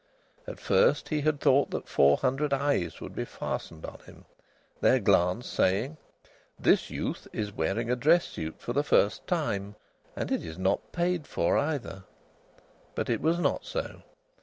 At first he had thought that four hundred eyes would be fastened on him, their glance saying, "This youth is wearing a dress suit for the first time, and it is not paid for, either!" But it was not so.